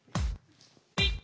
ピッ！